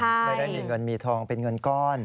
ไม่ได้มีเงินมีทองเป็นเงินก้อน